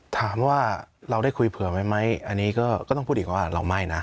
ถามว่าเราได้คุยเผื่อไว้ไหมอันนี้ก็ต้องพูดอีกว่าเราไม่นะ